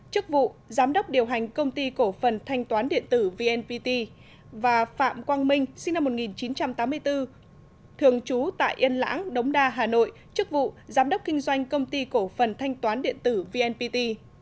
chức vụ giám đốc điều hành công ty cổ phần thanh toán điện tử vnpt và phạm quang minh sinh năm một nghìn chín trăm tám mươi bốn thường trú tại yên lãng đống đa hà nội chức vụ giám đốc kinh doanh công ty cổ phần thanh toán điện tử vnpt